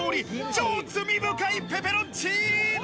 超罪深いペペロンチ